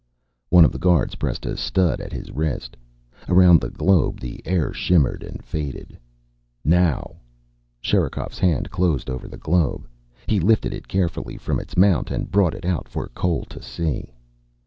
One of the guards pressed a stud at his wrist. Around the globe the air shimmered and faded. "Now." Sherikov's hand closed over the globe. He lifted it carefully from its mount and brought it out for Cole to see.